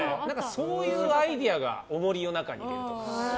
そういうアイデアをおもりの中に入れると。